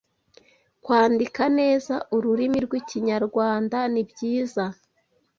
Kwandika neza ururimi rw’Ikinyarwanda nibyiza